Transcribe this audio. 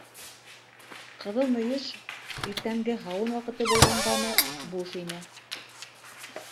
«Ҡыҙыл мөйөш», иртәнге һауын ваҡыты булғанғамы, буш ине.